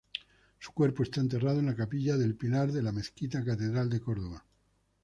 Su cuerpo está enterrado en la capilla del Pilar de la Mezquita-Catedral de Córdoba.